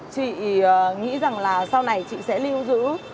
chị nghĩ rằng là sau này chị sẽ lưu giữ